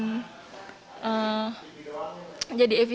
anggota komisi satu dprd provinsi jawa barat haruswan daru menilai